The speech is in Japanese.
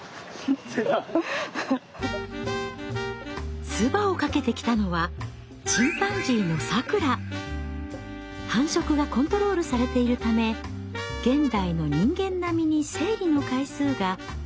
つばをかけてきたのは繁殖がコントロールされているため現代の人間並みに生理の回数が多くなっています。